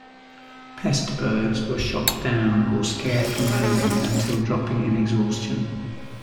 Pest birds were shot down or scared from landing until dropping in exhaustion.